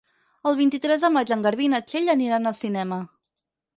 El vint-i-tres de maig en Garbí i na Txell aniran al cinema.